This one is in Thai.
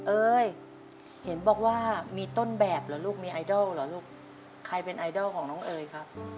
เอ๋ยเห็นบอกว่ามีต้นแบบเหรอลูกมีไอดอลเหรอลูกใครเป็นไอดอลของน้องเอ๋ยครับ